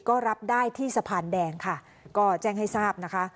ก็รับได้ที่สะพานแดงค่ะก็แจ้งให้ทราบนะคะ